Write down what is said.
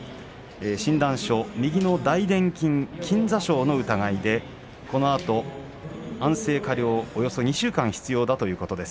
診断書は右の大でん筋筋挫傷の疑いでこのあと安静加療をおよそ２週間必要だということです。